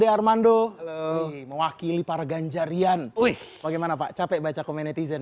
de armando mewakili para ganjarian wih bagaimana pak capek baca komen netizen